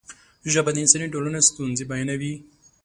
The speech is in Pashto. ژبه د انساني ټولنې ستونزې بیانوي.